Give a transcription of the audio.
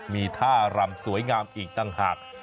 มีท่ารำสวยงามอีกต่างหาก